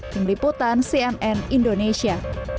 tim liputan cnn indonesia